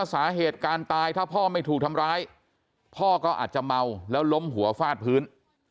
สาเหตุการตายถ้าพ่อไม่ถูกทำร้ายพ่อก็อาจจะเมาแล้วล้มหัวฟาดพื้น